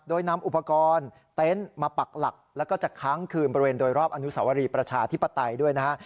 โดยนำอุปกรณ์เต็นต์มาปักหลักแล้วก็จะค้างคืนบริเวณโดยรอบอนุสาวรีประชาธิปไตยด้วยนะฮะ